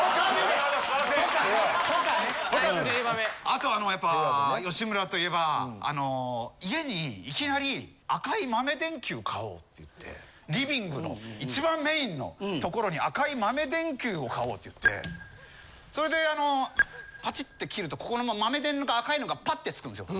あとはやっぱ吉村と言えば家にいきなり赤い豆電球を買おうって言ってリビングの一番メインのところに赤い豆電球を買おうって言ってそれでパチッて切ると豆電の赤いのがパッて点くんですよ。